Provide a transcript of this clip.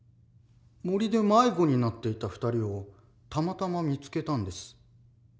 森で迷子になっていた２人をたまたま見つけたんです。